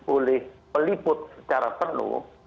oleh peliput secara penuh